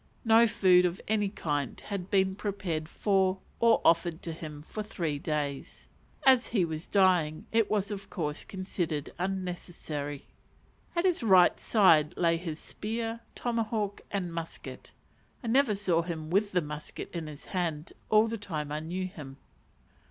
No food of any kind had been prepared for or offered to him for three days: as he was dying it was of course considered unnecessary. At his right side lay his spear, tomahawk, and musket. (I never saw him with the musket in his hand all the time I knew him.)